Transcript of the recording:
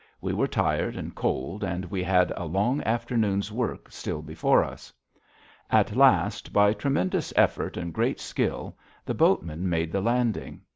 We were tired and cold, and we had a long afternoon's work still before us. At last, by tremendous effort and great skill, the boatmen made the landing.